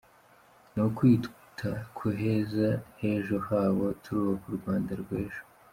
ni ukwita ku heza h’ejo habo , turubaka u Rwanda rw’ejo .